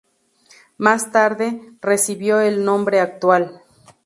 Más tarde, recibió el nombre actual.